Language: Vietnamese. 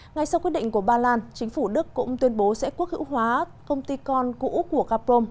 ngay sau quyết định của ba lan chính phủ đức cũng tuyên bố sẽ quốc hữu hóa công ty con cũ của gaprom